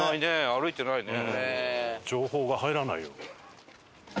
歩いてないね。